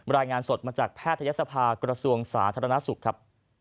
รายงานสดมาจากแพทยศภากระทรวงสาธารณสุขครับ